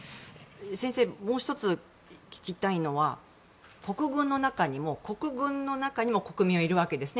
先生、もう１つ聞きたいのは国軍の中にも国民はいるわけですね。